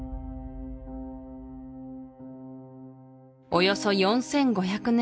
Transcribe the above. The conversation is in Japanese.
およそ４５００年